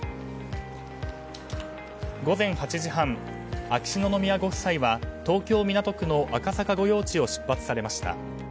午前８時半秋篠宮ご夫妻は東京・港区の赤坂御用地を出発されました。